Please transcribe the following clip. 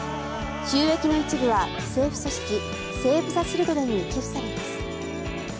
収益の一部は非政府組織セーブ・ザ・チルドレンに寄付されます。